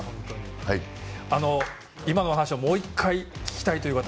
今の話をもう一度聞きたいという方